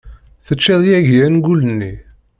Tecciḍ yagi angul-nni.